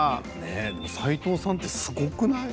斎藤さんってすごくない？